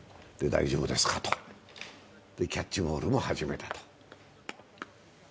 大丈夫ですかと、キャッチボールも始めたと。